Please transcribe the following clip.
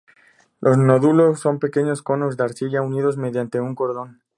Los nódulos son pequeños conos de arcilla unidos mediante un cordón.